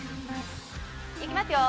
いきますよ。